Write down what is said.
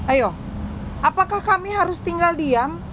ayo apakah kami harus tinggal diam